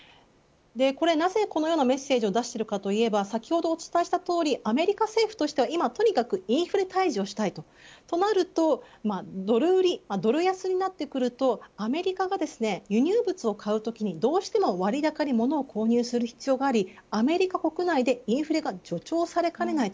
なぜこのようなメッセージを出しているかといえば先ほどお伝えしたとおりアメリカ政府は今とにかくインフレ退治をしたいそうなるとドル安になってくるとアメリカが輸入物を買うときにどうしても割高に購入する必要がありアメリカ国内でインフレが助長されかねない。